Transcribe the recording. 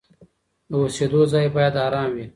د اوسېدو ځای باید آرام وي.